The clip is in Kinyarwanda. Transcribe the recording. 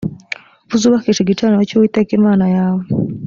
uzubakishe igicaniro cy uwiteka imana yawe